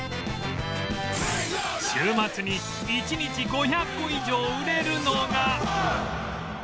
週末に１日５００個以上売れるのが